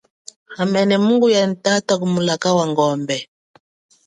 Hamene mungu ya nyi tata ku mulaka wa ngombe.